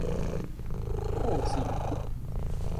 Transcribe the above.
คู่สี่